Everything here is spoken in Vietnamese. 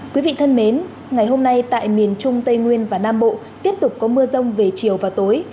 quý vị thân mến ngày hôm nay tại miền trung tây nguyên và nam bộ tiếp tục có mưa rông về chiều và tối